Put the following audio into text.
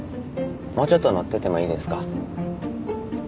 もうちょっと乗っててもいいですか？